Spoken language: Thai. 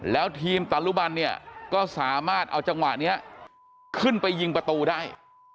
แล้วทีมตะลุบันเนี่ยก็สามารถเอาจังหวะนี้ขึ้นไปยิงประตูได้